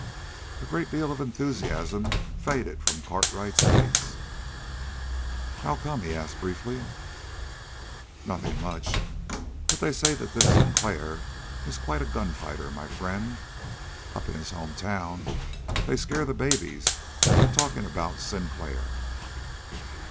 A great deal of enthusiasm faded from Cartwright's face. "How come?" he asked briefly. "Nothing much. But they say this Sinclair is quite a gunfighter, my friend. Up in his home town they scare the babies by talking about Sinclair."